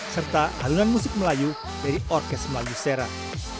serta halunan musik melayu dari orkes melayu serak